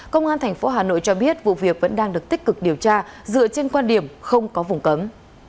công an tp hà nội cho biết vụ việc vẫn đang được tích cực điều tra dựa trên quan điểm không có vùng cấm